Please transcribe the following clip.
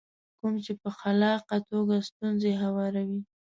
کوم چې په خلاقه توګه ستونزې هواروي.